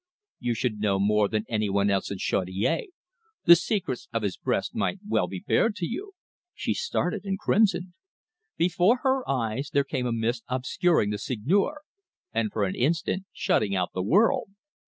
"You should know more than any one else in Chaudiere. The secrets of his breast might well be bared to you." She started and crimsoned. Before her eyes there came a mist obscuring the Seigneur, and for an instant shutting out the world.